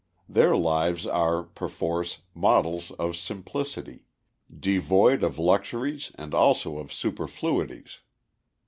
Their lives are, perforce, models of simplicity, devoid of luxuries and also of superfluities.